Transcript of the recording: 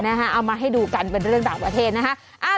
เอามาให้ดูกันเป็นเรื่องต่างประเทศนะคะ